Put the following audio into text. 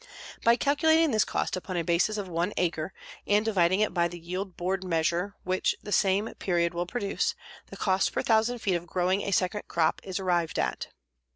By calculating this cost upon a basis of one acre, and dividing it by the yield board measure which the same period will produce, the cost per thousand feet of growing a second crop is arrived at.